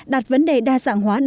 đạt vấn đề đa sản hóa